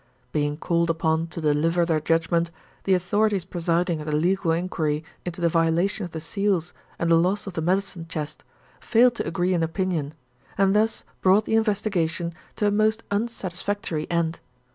Being called upon to deliver their judgment, the authorities presiding at the legal inquiry into the violation of the seals and the loss of the medicine chest failed to agree in opinion, and thus brought the investigation to a most unsatisfactory end.